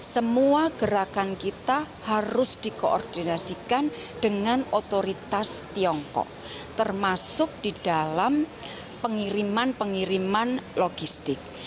semua gerakan kita harus dikoordinasikan dengan otoritas tiongkok termasuk di dalam pengiriman pengiriman logistik